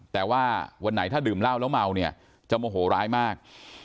แต่ว่าวันไหนถ้าดื่มเหล้าแล้วเมาเนี่ยจะโมโหร้ายมาก